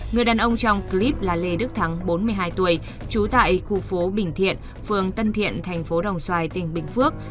người đàn ông trong clip là lê đức thắng bốn mươi hai tuổi trú tại khu phố bình thiện phường tân thiện thành phố đồng xoài tỉnh bình phước